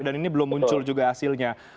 dan ini belum muncul juga hasilnya